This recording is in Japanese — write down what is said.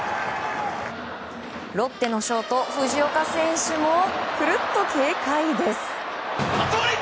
ロッテのショート藤岡選手もくるっと軽快です。